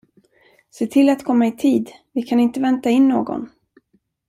Se till att komma i tid, vi kan inte vänta in någon!